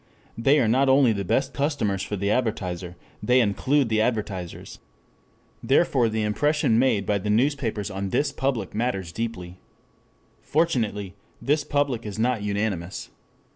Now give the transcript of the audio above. They are not only the best customers for the advertiser, they include the advertisers. Therefore the impression made by the newspapers on this public matters deeply. Fortunately this public is not unanimous.